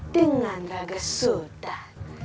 dengan raga sultan